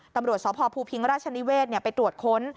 ตำรวจที่หอพภูพิงราชนิเวศเนี่ยไปตรวจค้น